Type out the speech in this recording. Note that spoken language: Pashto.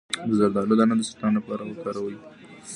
د زردالو دانه د سرطان لپاره وکاروئ